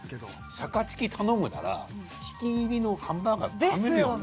シャカチキ頼むならチキン入りのハンバーガー食べるよね